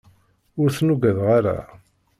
Ur ten-ugadeɣ ara.